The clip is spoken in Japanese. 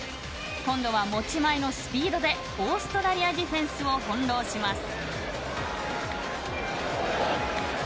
今度は持ち前のスピードでオーストラリアディフェンスを翻弄します。